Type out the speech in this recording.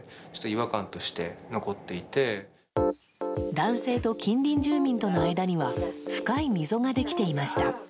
男性と近隣住民との間には深い溝ができていました。